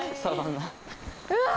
うわ！